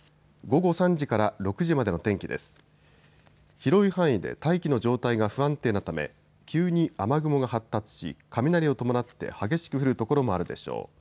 広い範囲で大気の状態が不安定なため急に雨雲が発達し雷を伴って激しく降る所もあるでしょう。